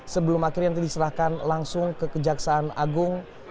sebelum akhirnya nanti diserahkan langsung ke kejaksaan agung